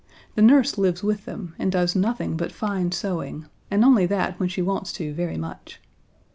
The nurse lives with them, and does nothing but fine sewing, and only that when she wants to very much.